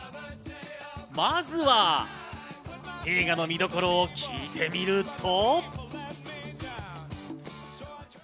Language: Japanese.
まずは映画の見どころを聞いてみると。